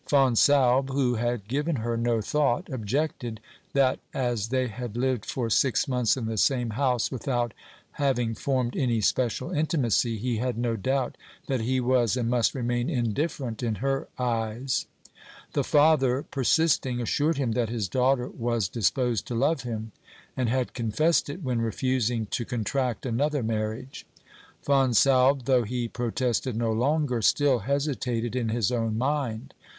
Fonsalbe, who had given her no thought, objected that as they had lived for six months in the same house without having formed any special intimacy he had no doubt that he was and must remain indifferent in her eyes. The father, persisting, assured him that his daughter was disposed to love him, and had confessed it when refusing to contract another marriage. Fonsalbe, though he protested no longer, still hesitated in his own mind.